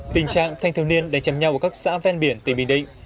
tình trạng thanh thiếu niên đánh chạm nhau của các xã ven biển tỉnh bình định